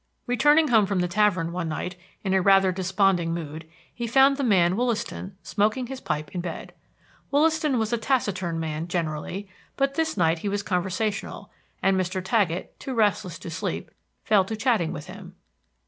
Returning home from the tavern, one night, in a rather desponding mood, he found the man Wollaston smoking his pipe in bed. Wollaston was a taciturn man generally, but this night he was conversational, and Mr. Taggett, too restless to sleep, fell to chatting with him.